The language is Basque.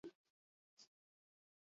Aspaldi dakit zer egin behar dudan.